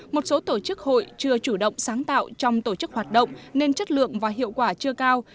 một số tổ chức hội chưa chủ động sáng tạo trong tổ chức hoạt động nên chất lượng và hiệu quả chưa cao